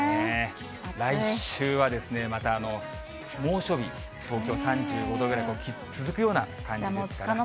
来週はまた猛暑日、東京３５度ぐらいが続くような感じですから。